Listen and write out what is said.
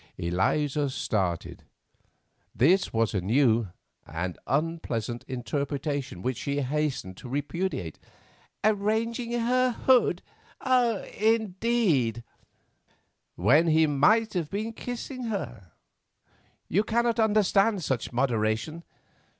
Eliza started; this was a new and unpleasant interpretation which she hastened to repudiate. "Arranging her hood, indeed——" "When he might have been kissing her? You cannot understand such moderation.